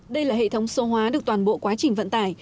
đây là hệ thống số hóa được toàn bộ quá trình vận tải